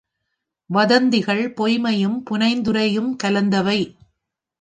வதந்திகள்.பொய்மையும் புனைந்துரையும் கலந்தவை.